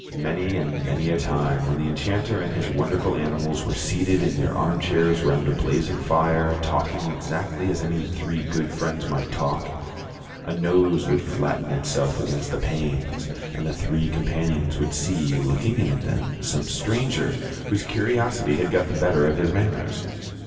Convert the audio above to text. Many and many a time, when the enchanter and his wonderful animals were seated in their armchairs round a blazing fire, talking exactly as any three good friends might talk, a nose would flatten itself against the panes, and the three companions would see looking in at them some stranger whose curiosity had got the better of his manners.